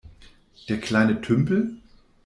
Der kleine Tümpel?